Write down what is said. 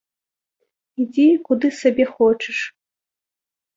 Ідзі, куды сабе хочаш.